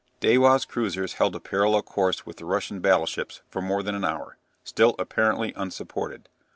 Dewa's cruisers held a parallel course with the Russian battleships for more than an hour, still apparently unsupported.